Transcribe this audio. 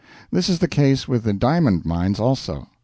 This is the case with the diamond mines also.